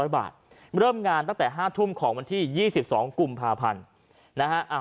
เริ่มงานตั้งแต่๕ทุ่มของวันที่๒๒กุมภาพันธ์นะฮะ